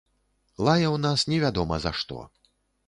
Лаяў нас невядома за што.